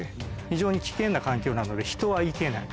非常に危険な環境なので人は行けない。